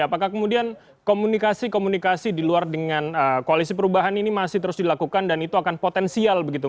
apakah kemudian komunikasi komunikasi di luar dengan koalisi perubahan ini masih terus dilakukan dan itu akan potensial begitu